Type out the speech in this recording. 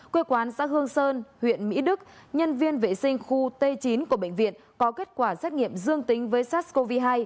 quê quán xã hương sơn huyện mỹ đức nhân viên vệ sinh khu t chín của bệnh viện có kết quả xét nghiệm dương tính với sars cov hai